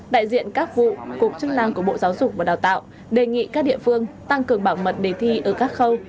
đại diện các vụ cục chức năng của bộ giáo dục và đào tạo đề nghị các địa phương tăng cường bảo mật đề thi ở các khâu